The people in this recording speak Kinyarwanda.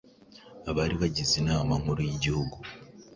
Abari bagize Inama Nkuru y' Igihugu,